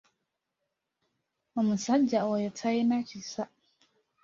Omusajja oyo talina kisa!